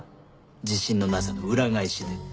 自信のなさの裏返しで。